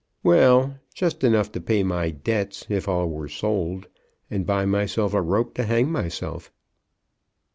"Well; just enough to pay my debts, if all were sold, and buy myself a rope to hang myself."